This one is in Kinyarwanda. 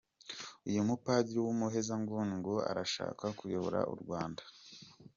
Uyu mupadiri w’umuhezanguni ngo arashaka kuyobora u Rwanda ?